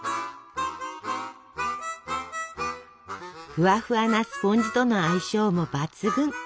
ふわふわなスポンジとの相性も抜群。